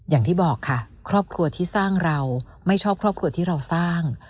อย่างที่บอกค่ะครอบครัวที่สร้างเราไม่ชอบครอบครัวที่เราสร้าง